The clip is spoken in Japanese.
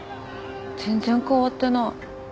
全然変わってない。